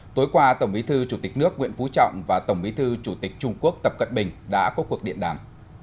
tối qua tổng bí thư chủ tịch nước nguyễn phú trọng và tổng bí thư chủ tịch trung quốc tập cận bình đã có cuộc điện đàm